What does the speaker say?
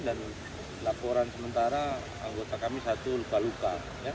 dan laporan sementara anggota kami satu luka luka